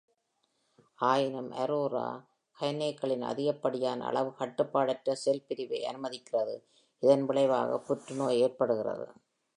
ஆயினும், அரோரா கைனேஸ்களின் அதிகப்படியான அளவு கட்டுப்பாடற்ற செல் பிரிவை அனுமதிக்கிறது, இதன் விளைவாக புற்றுநோய் ஏற்படுகிறது.